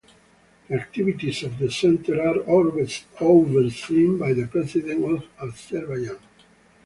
The activities of the Center are overseen by the President of Azerbaijan.